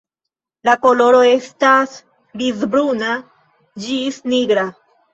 La koloro estas grizbruna ĝis nigra.